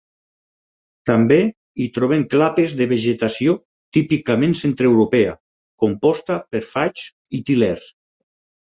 També hi trobem clapes de vegetació típicament centreeuropea, composta per faigs i til·lers.